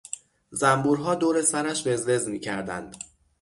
زنبورها دور سرش وزوز میکردند.